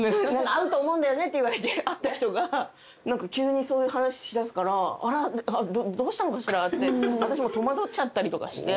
合うと思うんだよねって言われて会った人が何か急にそういう話しだすからあらどうしたのかしらって私も戸惑っちゃったりとかして。